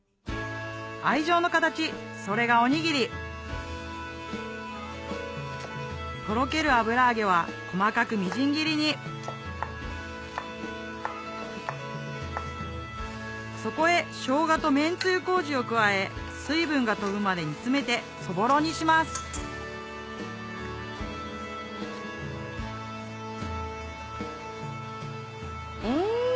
愛情の形それがおにぎりとろける油揚げは細かくみじん切りにそこへを加え水分が飛ぶまで煮詰めてそぼろにしますうん！